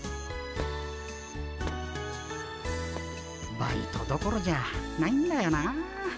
バイトどころじゃないんだよなあ。